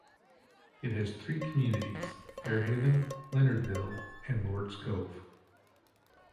It has three communities: Fairhaven, Leonardville, and Lords Cove.